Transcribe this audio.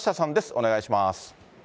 お願いします。